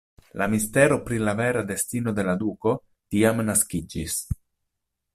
La mistero pri la vera destino de la duko tiam naskiĝis.